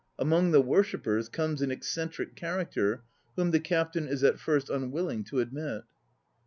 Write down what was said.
Among the worshippers comes an eccentric character whom the captain is at first unwilling to admit.